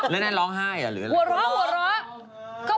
แล้วนั่นร้องไห้หรืออะไร